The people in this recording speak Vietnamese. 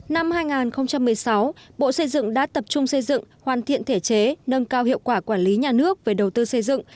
năm hai nghìn một mươi sáu bộ xây dựng đã tập trung xây dựng hoàn thiện thể chế nâng cao hiệu quả quản lý nhà nước về đầu tư xây dựng